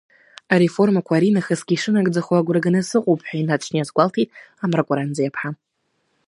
Ареформақәа аринахысгьы ишынагӡахо агәра ганы сыҟоуп, ҳәа инаҵшьны иазгәалҭеит Амра Қәаранӡиаԥҳа.